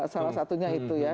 salah satunya itu ya